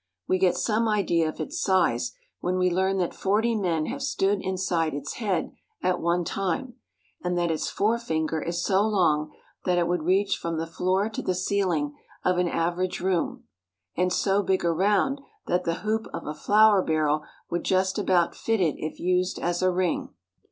We get some idea of its size when we learn that forty men have stood inside its head at one time, and that its forefinger is so long that it would reach from the floor to the ceiling of an average room, and so big around that the hoop of a flour barrel would just about fit it if used as a ring.